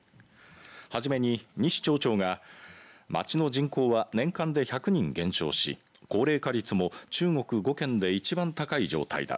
初めに西町長が町の人口は年間で１００人減少し高齢化率も中国５県で一番高い状態だ。